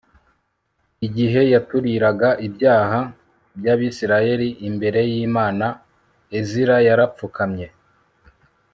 igihe yaturiraga ibyaha by'abisirayeli imbere y'imana, ezira yarapfukamye